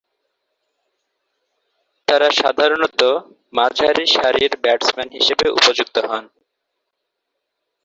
তারা সাধারণতঃ মাঝারি সারির ব্যাটসম্যান হিসেবে উপযুক্ত হন।